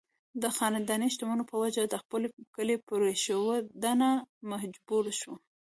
د خانداني دشمنو پۀ وجه د خپل کلي پريښودو ته مجبوره شو